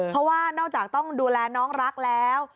เพราะว่านอกจากต้องดูแลน้องรักแล้ว